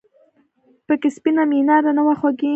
پکې سپینه میناره نه وه خوږې !